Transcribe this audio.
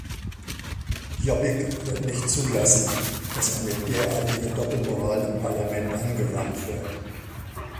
Jobbik wird nicht zulassen, dass eine derartige Doppelmoral im Parlament angewandt wird.